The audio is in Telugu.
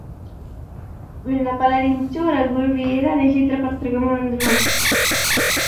విన్నపమాలకించు రఘువీర నహిప్రతిలోకమందు నా